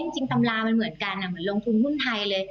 ตำรามันเหมือนกันเหมือนลงทุนหุ้นไทยเลย